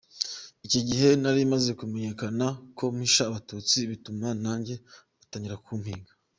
Icyo gihe nari maze kumenyekana ko mpisha Abatutsi, bituma nanjye batangira kumpiga.